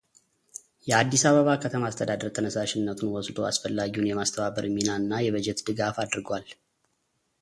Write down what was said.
የአዲስ አበባ ከተማ አስተዳደር ተነሳሽነቱን ወስዶ አስፈላጊውን የማስተባበር ሚናና የበጀት ድጋፍ አድርጓል